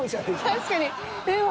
確かに。